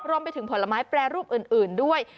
รวมไปถึงผลไม้แปรรูปอื่นด้วย